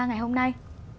ngày hôm nay